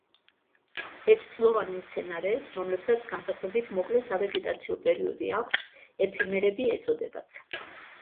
ერთწლოვანი მცენარეებს, რომლებსაც განსაკუთრებით მოკლე სავეგეტაციო პერიოდი აქვთ, ეფემერები ეწოდებათ.